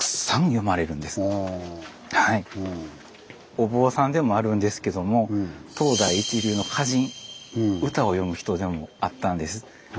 お坊さんでもあるんですけども当代一流の歌人歌を詠む人でもあったんです。